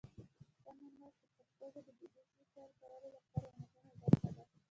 کامن وایس د پښتو ژبې د ډیجیټل کولو لپاره یوه مهمه برخه ده.